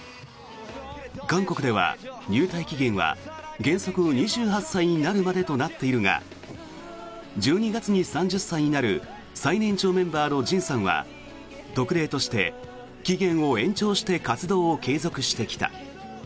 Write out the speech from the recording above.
韓国では、入隊期限は原則２８歳になるまでとなっているが１２月に３０歳になる最年長メンバーのＪＩＮさんは特例として期限を延長して活動を継続してきた。